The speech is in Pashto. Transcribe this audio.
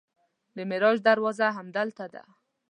د معراج دروازه همدلته ده.